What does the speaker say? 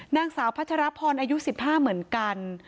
นางสาวพัชรพรอายุ๑๕เหมือนกัน